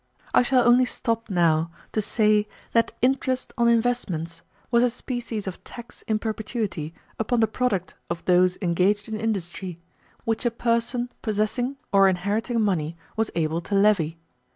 I shall only stop now to say that interest on investments was a species of tax in perpetuity upon the product of those engaged in industry which a person possessing or inheriting money was able to levy.